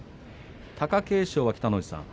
貴景勝は、北の富士さん